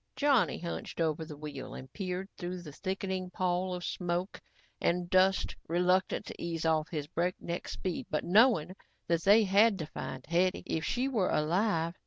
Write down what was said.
Johnny hunched over the wheel and peered through the thickening pall of smoke and dust, reluctant to ease off his breakneck speed but knowing that they had to find Hetty if she were alive.